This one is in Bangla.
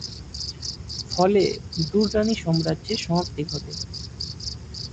ফলে দুররানি সাম্রাজ্যের সমাপ্তি ঘটে।